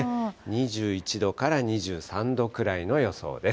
２１度から２３度ぐらいの予想です。